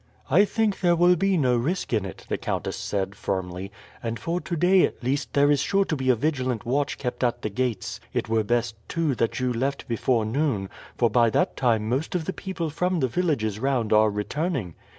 "I think there will be no risk in it," the countess said firmly; "and for today at least there is sure to be a vigilant watch kept at the gates. It were best, too, that you left before noon, for by that time most of the people from the villages round are returning.